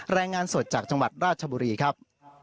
รายงานสดจากจังหวัดราชบุรีครับ